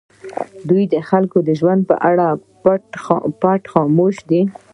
دوی د خلکو د ژوند په اړه پټ خاموش دي.